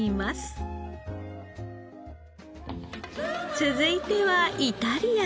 続いてはイタリアン。